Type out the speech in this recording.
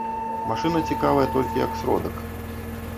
Машына цікавая толькі як сродак.